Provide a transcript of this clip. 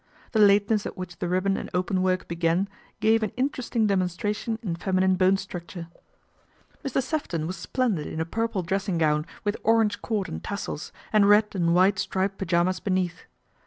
The lateness at which the ribbon and openwork began gave an interesting demon stration in feminine bone structure. 264 PATRICIA BRENT, SPINSTER Mr. Sefton was splendid in a purple dressing gown with orange cord and tassels, and red and white striped pyjamas beneath.